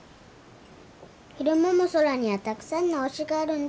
昼間も空にはたくさんの星があるんだ。